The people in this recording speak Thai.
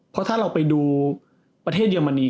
เพราะถ้าเราไปดูประเทศเยอรมนี